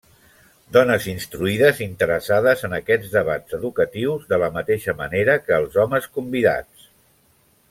Dones instruïdes interessades en aquests debats educatius, de la mateixa manera que els homes convidats.